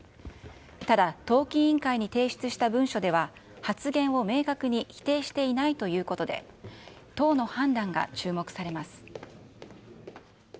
ただ、党紀委員会に提出した文書では、発言を明確に否定していないということで、党の判断が注目されます。